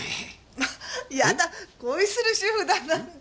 まあやだ恋する主婦だなんて。